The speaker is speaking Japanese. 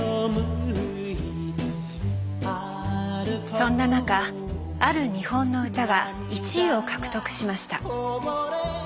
そんな中ある日本の歌が１位を獲得しました。